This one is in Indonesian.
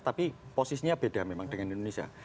tapi posisinya beda memang dengan indonesia